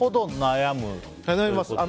悩みます。